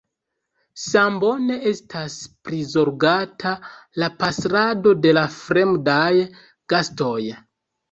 Sambone estas prizorgata la pastrado de la fremdaj gastoj.